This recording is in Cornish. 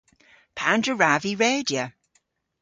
Pandr'a wrav vy redya?